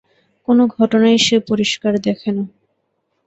কোনো ঘটনাই সে পরিষ্কার দেখে না।